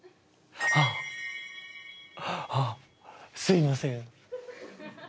あっあすいません。